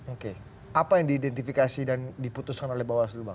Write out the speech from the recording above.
oke apa yang diidentifikasi dan diputuskan oleh bawaslu bang